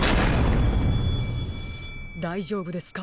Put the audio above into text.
だいじょうぶですか？